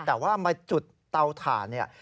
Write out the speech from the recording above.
แต่ว่ามาจุดเตาถ่านเนี่ย